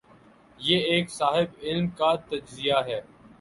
یہ ایک صاحب علم کا تجزیہ ہے۔